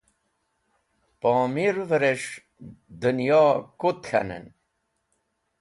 Pomervẽres̃h dẽnyo kut k̃hanẽn.